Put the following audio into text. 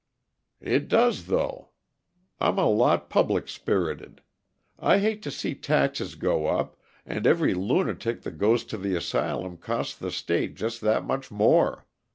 "It does, though. I'm a lot public spirited. I hate to see taxes go up, and every lunatic that goes to the asylum costs the State just that much more.